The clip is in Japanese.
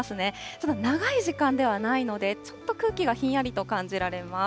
ただ長い時間ではないので、ちょっと空気がひんやりと感じられます。